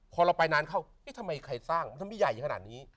พอเราไปนานเข้าทำไมใครสร้างทำไมใหญ่อย่างขนาดนี้